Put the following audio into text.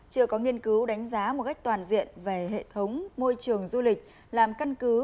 chưa có nghiên cứu đánh giá một cách toàn diện về hệ thống môi trường du lịch làm căn cứ